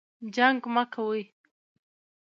جنګ مه کوئ